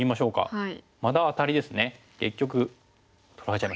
はい。